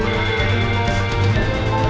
baik kita akan berjalan